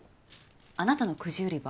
あなたのくじ売り場